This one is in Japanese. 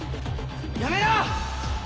やめろ！